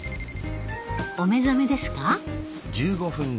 お目覚めですか？